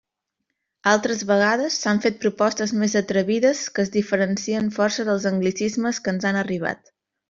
Altres vegades, s'han fet propostes més atrevides que es diferencien força dels anglicismes que ens han arribat.